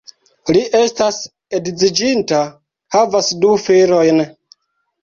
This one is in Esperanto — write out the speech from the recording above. Li estas edziĝinta, havas du filojn.